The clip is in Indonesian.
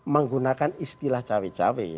menggunakan istilah cewek cewek